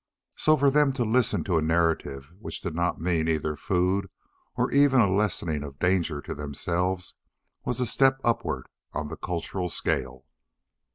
So for them to listen to a narrative which did not mean either food or even a lessening of danger to themselves was a step upward on the cultural scale.